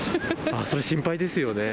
それ、心配ですよね。